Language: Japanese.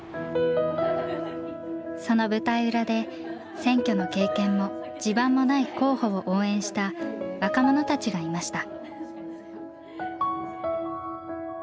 その舞台裏で選挙の経験も地盤もない候補を応援した若者たちがいました。